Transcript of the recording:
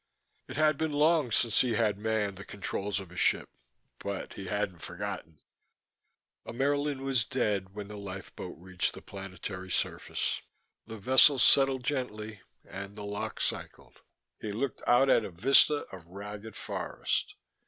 It had been long since he had manned the controls of a ship, but he had not forgotten. Ammaerln was dead when the lifeboat reached the planetary surface. The vessel settled gently and the lock cycled. He looked out at a vista of ragged forest.